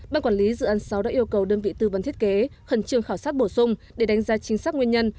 ban quản lý dự án sáu đã yêu cầu đơn vị tư vấn thiết kế khẩn trương khảo sát bổ sung để đánh giá chính xác nguyên nhân